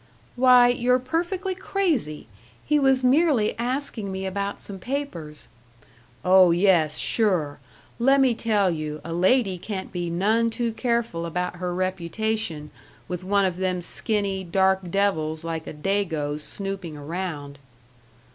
"Why, you're perfectly crazy! He was merely asking me about some papers " "Oh yes, sure! Lemme tell you, a lady can't be none too careful about her reputation with one of them skinny, dark devils like a Dago snooping around."